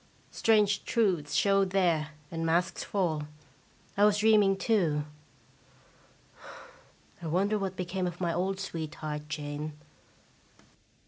Strange truths show there, and masks fall. I was dreaming, too. I wonder what became of my old sweetheart Jane